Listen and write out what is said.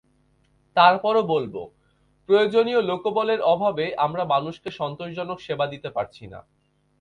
তারপরও বলব, প্রয়োজনীয় লোকবলের অভাবে আমরা মানুষকে সন্তোষজনক সেবা দিতে পারছি না।